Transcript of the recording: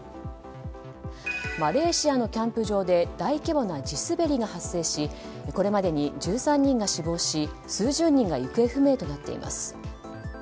マレーシアのキャンプ場で大規模な地滑りが発生しこれまでに１３人が死亡し数十人が行方不明となっています。